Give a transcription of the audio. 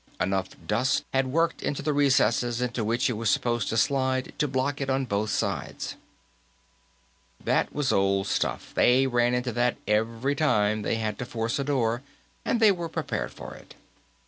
Enough dust had worked into the recesses into which it was supposed to slide to block it on both sides. That was old stuff; they ran into that every time they had to force a door, and they were prepared for it.